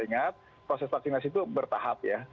ingat proses vaksinasi itu bertahap ya